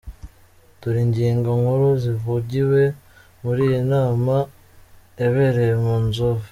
Dore ingingo nkuru zavugiwe muri iyi nama yabereye mu Nzove:.